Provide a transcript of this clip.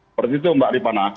seperti itu mbak ripana